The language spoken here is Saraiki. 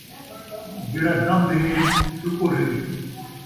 جیڑھا دم ہے ، شُکر ہے